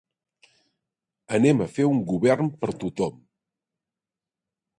Anem a fer un govern per a tothom.